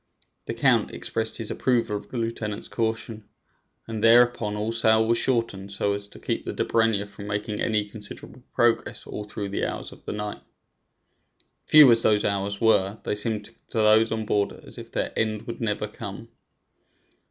The count expressed his approval of the lieutenant's caution, and thereupon all sail was shortened so as to keep the Dobryna from making any considerable progress all through the hours of night. Few as those hours were, they seemed to those on board as if their end would never come.